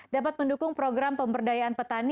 dapat mendukung program pemberdayaan petani